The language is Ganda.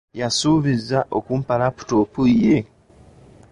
Yansuubiza okumpa laputopu ye.